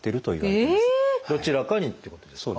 どちらかにってことですか？